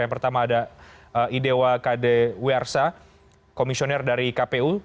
yang pertama ada idewa kade wiersa komisioner dari kpu